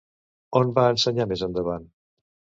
On va ensenyar més endavant?